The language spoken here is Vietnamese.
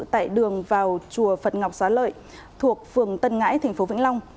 tại đường vào chùa phật ngọc xá lợi thuộc phường tân ngãi tp vĩnh long